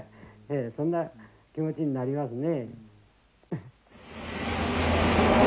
そんな気持ちになりますね。